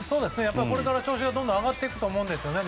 これから調子がどんどん上がっていくと思うんですよね